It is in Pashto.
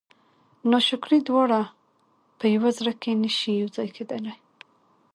ناشکري دواړه په یوه زړه کې نه شي یو ځای کېدلی.